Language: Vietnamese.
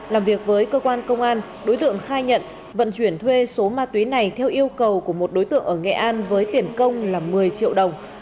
làm việc với cơ quan công an đối tượng khai nhận vận chuyển thuê số ma túy này theo yêu cầu của một đối tượng ở nghệ an với tiền công là một mươi triệu đồng